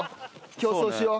競争しよう。